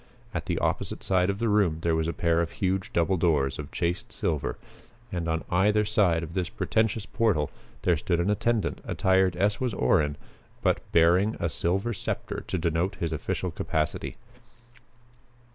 At the opposite side of the room there was a pair of huge double doors of chased silver and on either side of this pretentious portal there stood an attendant attired as was Orrin, but bearing a silver scepter to denote his official capacity.